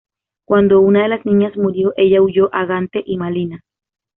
Cuando una de las niñas murió, ella huyó a Gante y Malinas.